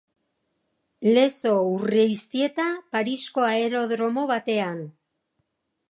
Lezo Urreiztieta Parisko aerodromo batean.